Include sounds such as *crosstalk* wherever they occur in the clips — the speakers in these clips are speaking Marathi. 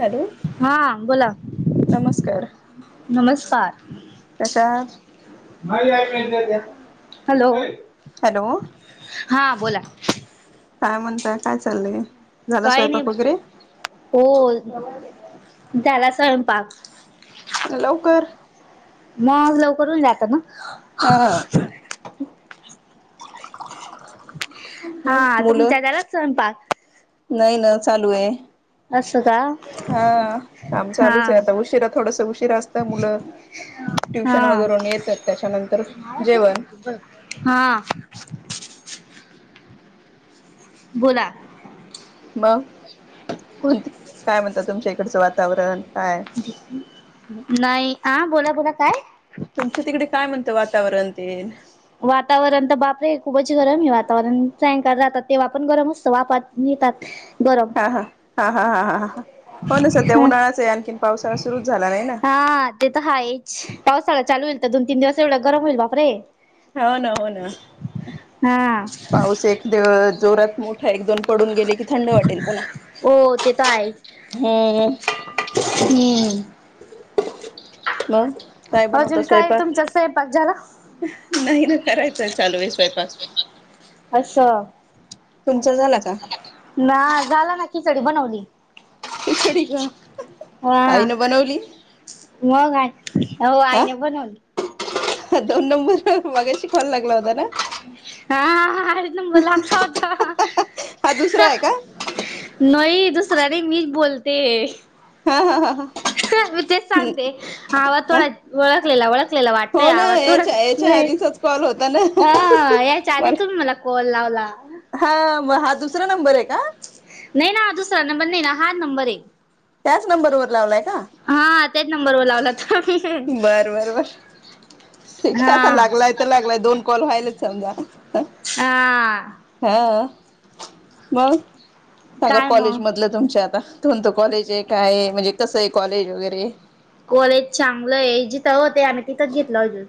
हॅलो हा बोला नमस्कार नमस्कार कशा आहात. *inaudible* हॅलो हॅलो हा बोला काय म्हणताय, काय चाललंय? झाला काही नाही स्वयंपाक वगैरे हो झाला स्वयंपाक लवकर मग लवकर होऊन जात ना. हा हा मुलं तुमचा झाला स्वयंपाक नाही ना चालू हे. असं का हा काम हा चालूच आहे आता उशिरा थोडस उशिरा असतं मुलं हा ट्युशन वरून येतात त्याच्यानंतर जेवण हा बोला मग कोणते काय म्हणतात तुमच्या इकडचं वातावरण काय नाही आ, बोला बोला काय? तुमच्या तिकडे काय म्हणतं वातावरण ते वातावरण तर बापरे खूपच गरम आहे वातावरण सायंकाळ राहात तेव्हा पण गरम असतं वाफा तात हा हा हा हा हा हा ह हा हो ना सध्या ह उन्हाळाच आहे आणखीन पावसाळा सुरुच झाला नाही ना हा ते तर हायच पावसाळा्यात चालू होईल तर दोन तीन दिवस एवढ गरम होईल बापरे हो ना हो ना हा. पाऊस एक दिवस जोरात मोठ एक दोन पडून गेले की थंड वाटेल पुन्हा हो ते हम्म हम् मग काय बनवता अजून काय स्वयंपाक तुमचा स्वयंपाक झाला. नाही ना करायचंय चालू आहे स्वयंपाक असं तुमचा झाला का ना झाला न कि कढी बनवली. खिचडी ग, हा आईन बनवली. मग आ हो आईने बनवली. ह दोन नंबर मगाशी कॉल लागला होता ना. हा हा हाच नंबर लागला होता. हा दुसरा आहे का नोई दुसरं नाही मीच बोलतेय. हा हा हा हा मी तेच सांगते आवाज हा थोडा वळखलेला वळखलेला वाटतोय हो ना आवाज थोडा याच्या याच्या आधीचाच कॉल होता ना अ याच्या आधी तुम्ही मला कॉल लावला. हा मग हा दुसरा नंबर आहे का? नाही ना दुसरा नंबर नाही ना हा नंबर हे. त्याच नंबरवरर लावलाय का? तेच नंबर व लावला त य आता लागलाय तर लागलाय दोन कॉल व्हायलाच समजा. हा हा मग सांगा काय मग कॉलेजमधलं तुमच्या आता कोणतं कॉलेज हे काय म्हणजे कसं आहे कॉलेज वगैरे कॉलेज चांगलं आहे जिथं होते आणि तिथंच घेतलं अजून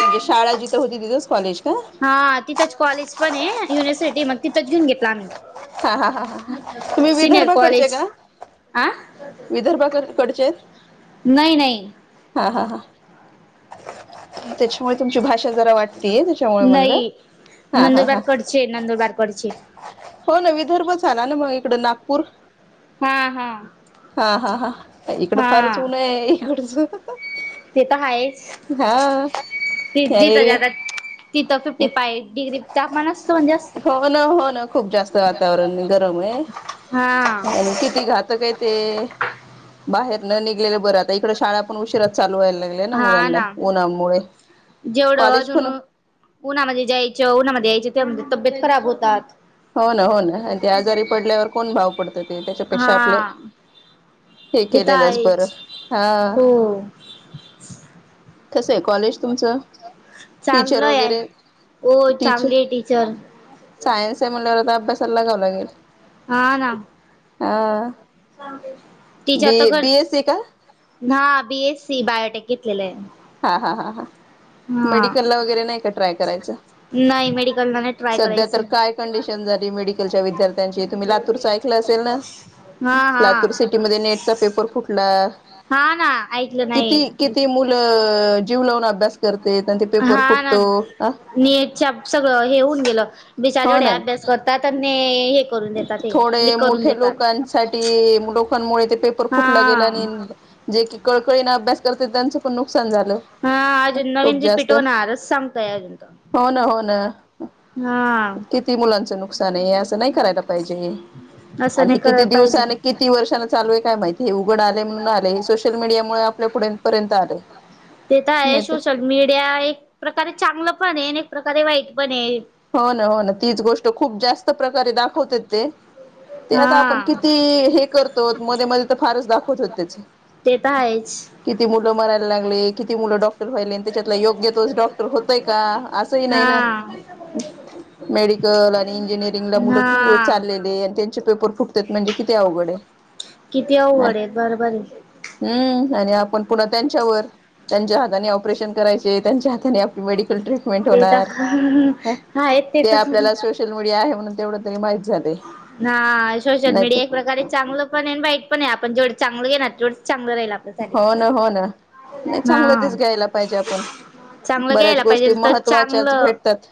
म्हणजे शाळा जिथं होती तिथेच कॉलेज का हा तिथंच कॉलेज पण आहे युनिव्हर्सिटी मग तिथंच घेऊन घेतला हा हा हा हा आम्ही तुम्ही सीनियर विदर्भाकडचे कॉलेज का आं विदर्भाकडचे आहेत नाही नाही हा हा हा त्याच्यामुळे तुमची भाषा जरा वाटतीय त्याच्यामुळे म्हणलं हा हा हा नंदुरबार करचे नंदुरबार करचे विदर्भ झाला ना मग इकड नागपूर हा हा हा हा हा इकडं फार च हा उन आहे इकडच ते तर हाय हा यायरय जातात तिथं फिफ्टी फाय डिग्री तापमान असतो म्हणजे असत हो ना हो ना खूप जास्त वातावरण गरम आहे हा आणि किती घातक आहे ते बाहेर न निघलेलं बरातऐ शाळा पण उशिरा चालू व्हायला लागल्या ना मुलांना उन्हामुळे जेवढं कॉलेज अजून पण उन्हामध्ये जायचं उन्हामध्ये यायचं त्यामध्ये तब्येत खराब होतात हो ना हो ना आणि ते आजारी पडल्यावर कोण भाव पडत ते त्याच्यापेक्षा आपलं हा हे ते तर केलेलंच बरं आहेच हा हो कसं आहे कॉलेज तुमचं टीचर चांगलं आहे. वगैरे हो टीच चांगली आहे टीचर सायन्स आहे म्ह अभ्यासला लागवं लागेल हा तिच तर बी करच बीएससी का हा बीएससी बायोटेक घेतलेलं आहे हा हा हा हा हा मेडिकलला वगैरे नाही का ट्राय करायचं नाही मेडिकल ना सध्या तर काय कंडिशन झाली मेडिकलच्या विद्यार्थ्यांची तुम्ही लातूरचं ऐकलं असेल ना हा हा लातूर सिटी म नेटचा पेपर फुटला हा ना ऐकलं नाही किती किती मुलं अ जीव लावून अभ्यास करते त्यां ते पेपर फुटतो ह सगळ हे होऊन गेलं हो बिचारवढे ना अभ्यास करत थोडे मोठे लोकांसाठी लोकांमुळे ते पेपर फुटला गेला हा आणि जे की कळकळीने अभ्यास करतात त्यांच पण नुकसान झालं हा अजून नवीन खूप रिपीट जास्त होणारच सांगताय हो ना हो ना हमम किती मुलांचं नुकसान आहे असं नाही करायला पाहिजे असं आणि हे नाही किती करायला पाहिजे दिवसाने किती वर्षाने चालू आहे काय माहिती हे उघड आले म्हणून आले हे सोशल मीडिया मुळे आपल्या पुुढे पर्यंत आले ते तर आहे सोशल मीडिया एक प्रकारे चांगलं पण आहे एक प्रकारे वाईट पण आहे हो ना हो ना तीच गोष्ट खूप जास्त प्रकारे दाखवते ते ते आता आपण हा किती हे करतो मध्ये मध्ये तर फारच दाखवत होत त्याचे तेेतऐच लाग किती मुलं डॉक्टर व्हायले त्याच्यात योग्य तोच डॉक्टर होतय का असंही नाही ना हा मेडिकल आणि इंजिनिअरिंगला मुलंि हा चाललेले आणि त्यांचे पेपर फुटतात म्हणजे कती्या अघडे किती वड आहेत बरं बरारी हम्म आणि आपण पुन्हा त्यांच्यावर त्यांच्या हाताने ऑपरेशन करायचे त्यांच्या हाताने आपली मेडिकल ट्रीटमेंट ते होणार तर ह आहेत ते तर आपल्याला सोशल मीडिया आहे म्हणून तेवढं तरी माहिती ह सोशल मीडिया एक प्रकारे चांगलं पण आहे वाईट पण आहे आपण जेवढं चांगलं घेणार तेवढ हो ना हो ना नाही चांगलं हा तेच घ्यायला पाहिजे आपण चांगलं बऱ्याच घ्यायला गोष्टी पाहिजे तर महत्त्वाच्याच चांगलं भेटतात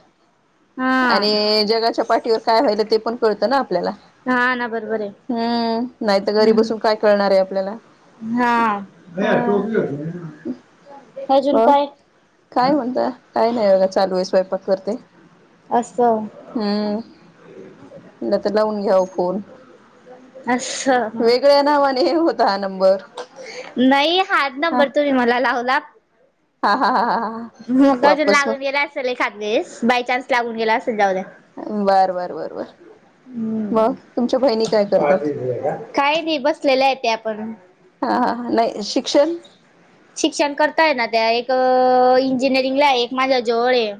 हा आणि जगाच्या पाठीवर काय व्हाय ते पण कळतं ना ल्या हा ना बरोबर आहे हम्म नाही तर घरी बसून काय कळणार आहे आपल्याला अ चोप *unintelligible* अ काय म्हणता काय नाही बघा चालू आहे स्वयंपाक असं हम्म म्ह तर लावून घ्या न असं वेगळ्या नावाने हे होता हा नंबर नाही हाच हा नंबर तुम्ही मला लावला हा हा हा हां मग अजून लागून गेला असेल एकाद्यावेळेस बाय चान्स लागून गेला असेल जावद्या बार बार बर ब हम्म काय करतात काही नाही बसलेले आहे ते आपण हा हा हा नाही शिक्षण शिक्षण करताय ना त्या एक अ इंजिनिअरिंग ला आहे एक माझ्या जवळ आहे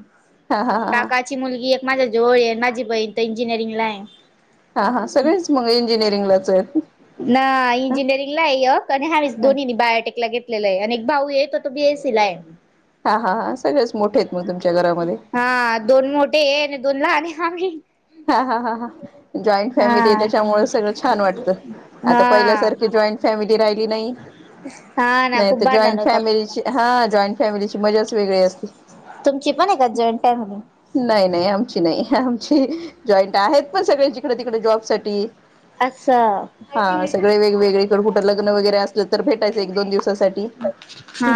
हा हा हा काकाची मुलगी एक माझ्या जोळ यांनाजी पय इथ इंजियरीिंगला हा हा सगळेच मग इंजिनिअरिंग लाच आहेत ना इंजिनिअरिंग ला आणि ह्यावी दोन्ही बायोटेक ला गे लेला आहे आणि एक भाऊ येतो तो आहे बीएसिलाय हा हा हा सगळेच मोठे आहेत मग तुमच्या घरामध्ये हा दोन मोठे आहे आणि दोन लाले ह म् हा हा हा ह जॉईंट फॅमिली हा त्याच्यामुळे सगळं छान वाटत आता हा पहिल्यासारख जॉईंट फॅमिली राहिली नाही हा ना नाही खूप तर भांडण जाईट होतात. फॅमिलीची जाइंट फॅमिलीची मज्जाच वेगळी अस तुमची पण आहे का जॉईंट फॅमिली? नाही नाही आमची नाही जॉईंट आहेत पण सगळे्यां जिकडे तिकडे जॉब साठी असछ हा सगळे वेगवेगळेकड कुठं लग्न वगैरे असलं तर भेटायचं एक दोन दिवसासाठी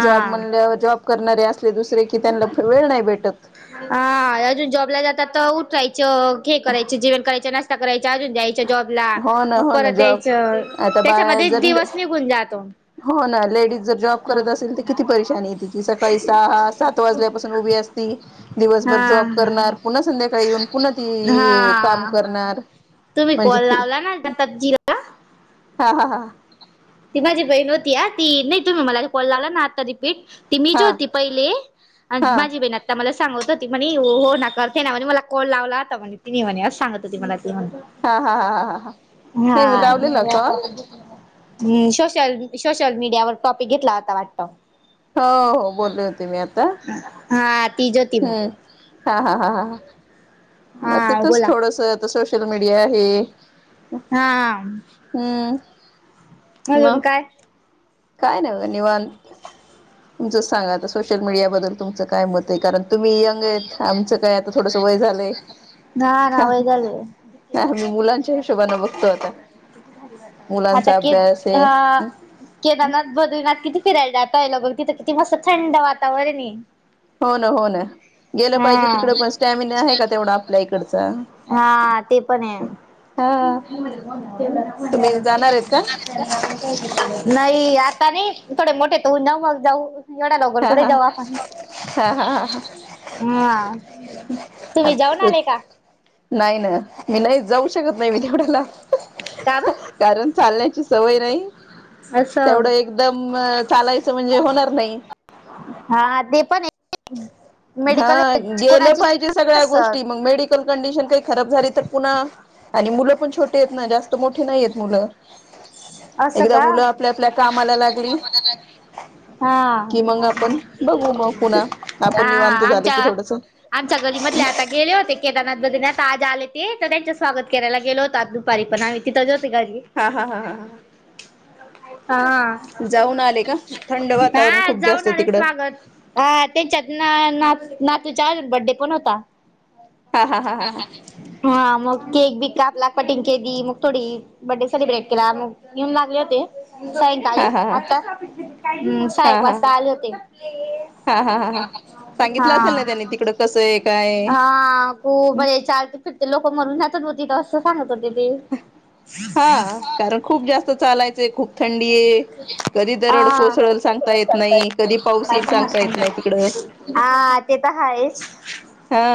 जॉब म्हण जॉब करणारे असले दुसरे की त्यांना वेळ नाही भेटत हा अजून जॉबला जातात तर उठायचं हेरायचे जेवण करायचा नाशता करायचे ूनयच्या जॉबला हो ना मग हो ना परत जॉब यायचं आता बाया त्याच्यामध्येच जर दिवस निघून जातो हो ना लेडीज जर जॉब हा करत असेल तर किती परेशानी आहे तिची सकाळी सहा सात वाजल्यापासून उभी असती दिवसभर जॉब हा करणार पुन्हा संध्याकाळी येऊन पुन्हा ती ते काम हा करणार तुम्ही म्हणजे कोल ती लावला ना ग सब्जीला हा हा हा ती माझी बहीण होती ती नाही तुम्ही मला कॉल लावलाना आता बी ती मी जी हा हा होती पहिले हा माझी बहीण आता मला सांग होती म्हणे हो हो ना करते ना म्हणे मला कॉल लावला तर म्हणे तिने म्हणे असं सांगत होती मला हा हा हा हा हा हा नाही मी लावलेला हा कॉल हम् सोशल सोशल मीडियावर टॉपिक घेतला होता वाटतं हो हो बोलली होते मी आता हा तिज होती मग हम्म हा हा हा ह मग हा तिथच बोला थोडस आता सोशल मीडिया आहे हा हमम अजून काय काय नाही बघ निवांत तुमच सांगा सोशल मीडियाबद्लुमचं काय मत कारण तुमही य आमचं काय आता थोडं वय झालंय ना ना वय झाले आम्ही मुलांच्या हिशोबानं बघतो आता आता मुलांचा के अभ्यास ह आहे केदारनाथ बद्रीनाथ किती फिरायला जातय ल बघ तिथं किती मस्त थंड वातावरण आहे... हो ना हो ना... गेलं पाहिजे हा तिकडे पण स्टॅमिना आहे का तेवढा आपल्या इकडचा हा ते पण आहे... हा तुम्ही जाणार आहेत का नाही आता नाही... थोडे मोठे त न मग जाऊ एवढ्या लवकर हा कुठे हा जाऊ.... हा हा हा हा तुम्ही जाऊन हा आले का... नाही ना मी नाही जाऊ शकत नाही मी तेवढ्या लांब का ब कारण चालण्याची सवय नाही... असं तेवढ एकदम चालायचं म्हणजे होणार नाही... हा ते पण... आहे *unintelligible* मेडिकल हा गेलं कोणाची पाहिजे सगळ्या गोष्टी मग असं मेडिकल कंडिशन काही खराब झाली तर पुन्हा... आणि मुलं पण छोटे आहेत ना जास्त मोठे नाही आहेत मुलं... असं एकदा का... मुलं आपल्या आपल्या कामाला लागली हा.... कि मग आपण बघू मग पुन्हा आपण हा निवांत झाले की आमच्या थोडस आमच्या गल्लीमधले आता गेले होते... केदनाथ बद्रीनाथ आज आले ते तर त्यांच स्वागत करायला गेो होत दुपारी पण आम्ही ति.... हा हा हा हा ह.... हा आले का थंड वातावरण हा खूप जास्त जाऊने तिकडं स्वागत ह तेच्यात... नातूचा बड्डे पण होता... हा हा हा हा हा हा मग केक बी कापला कटिंग.... दी मग थोडी बर्डे सेलिब्रेट केला मग येऊन लागले होते... हा सायंकाळी हा हा आता हम् हा सहाएक हा वाजता आले होते... हा हा हा हा हा सांगितलं असेल ना त्यानी तिकडं कसं आहे काय हा तू म्हर चार... फिर ते लोक मरून जातत होती तर असं सांगत होते ते... हा कारण खूप जास्त चालायचंय खूप थंडी आहे कधी दरड हा कोसळल सांगता येत नाही पल.. कधी पाऊस येईल सांगता येत नाही तिकडं हा ते तर ह आहेच.. हा...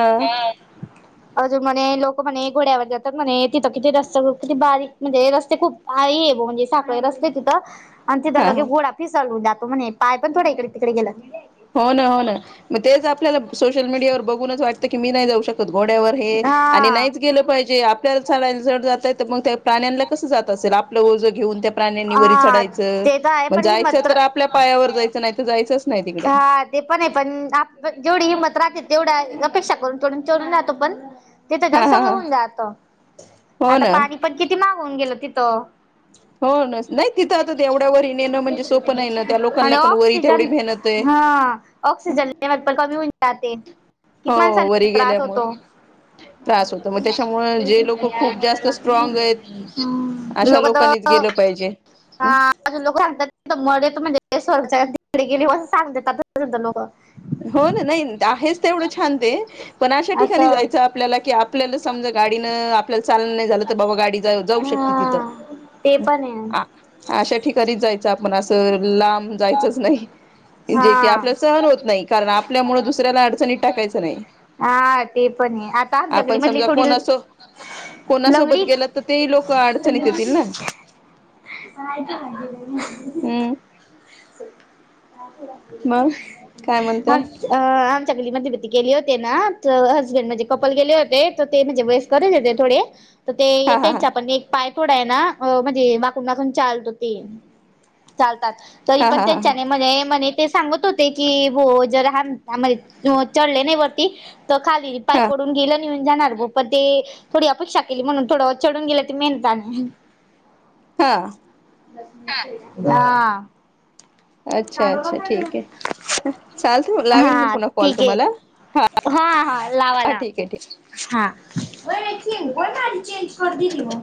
अजून म्हणे लोक म्हणे घोड्यावर जातात म्हणे तिथं किती रस्त किती बारीक म्हणजे रस्ते खूप आहे... म्हे साखळे र असले तिथं आणि तिथं हा लगे हा घोडा फिसालू जातो म्हणे पाय पण थोड्या इकडे तिकडे गेला.. हो ना हो ना मग तेच आपल्याला सोशल मीडियावर बघूनच वाटतं की मी नाही जाऊ शकत.... घोड्यावर हे आणि हा नाहीच गेलं पाहिजे... आपल्याला चालायला जड जातय तर मग त्या प्राण्यांना कस जात असेल आपलं ओझं घेऊन त्या... प्राण्यांनी वरी हा चढायचं ते तर आहे मग पण ही जायचं मात्र तर आपल्या पायावर जायचं नाही तर जायचंच नाही तिकडे.... हा ते पण आहे पण आपण जेवढी हिंमत राहते तेवढा अपेक्षा करून चढून चढून जातो पण... तिथं हा जाऊन हा सगळं हा होऊन जाात हो आता ना पाणी पण किती मागवून गेलं तिथं... हो ना नाही तिथं आता ते एवढ्या वरी नेणं म्हणजे सोपं नाही ना त्या लोकांना आणि पण वरी तेवढी ऑक्सिजन मेहनत आहे. हा ऑक्सिजन लेवल पण कमी होऊन जाते किती हो माणसांना वरी त्रास गेल्यामुळे होतो. त्रास होतो मग त्याच्यामुळे जे लोक खूप जास्त स्ट्रॉंग आहेत अशा लोक.... लोकांनीच गेलं पाहिजे हा लोक सांगतात मेत म्हणजे... ते स्वगाच्या तिकडे गेलीं सांगते आ नको... हो ना नाही आहेच ते एवढं छान ते पण अशा ठिकाणी असं जायचं आपल्याला की आपल्याला... समजा गाडीं आपल्याला चाल नाही झा तर बाबा गाडी... जाऊ शकते हा ते तिथं पण आहे अशा ठिकाणी जायचं आपण... तर लांब जायचच नाही जे की हा आपल्या सहन होत नाही. कारण आपल्यामुळे दुसऱ्याला अडचणीत टाकायचं नाही... हा ते पण आहे आता आपण जंगलीमधली समजा थोडी... कोणासो कोणासोबत लंगडी... गेलं तर तेही लोक अडचणीत ह... येतील ना हम्म अ मग काय म्हणता अ... जंगलीमध्ये भीती गेली होते ना तर हसबंड म्हणज कपल गेले होते तर ते म्हणजे वेस करत होेतते थोडे... तर ते हा हा त्यांचा पण एक पाय पोडा आहे ना म्हणजे कून चालत ते चालतात तरी हा हा पण हा हा हा त्याच्याने म्ह म्ह ते सांगत होते की ब जरम चढले नाही वरती त खाली र पाय हा पडून गेलं ऊन जाणार पण ते थोडी अपेक्षा केली म्हणून थोडं चढून गेलं त मेहनता हा हा अच्छा अच्छा ठीक आहे चालत लावेल मी हा पुन्हा कॉल ठीक आहे तुम्हाला हा हा हा लावा ला ठीक आहे ठीक हा को चेंज कर दि म